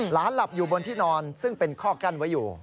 หลับอยู่บนที่นอนซึ่งเป็นข้อกั้นไว้อยู่